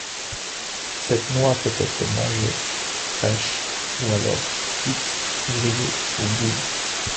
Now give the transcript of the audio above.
Cette noix peut être mangée fraîche, ou alors cuite, grillée ou bouillie.